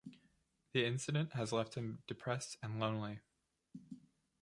The incident has left him depressed and lonely.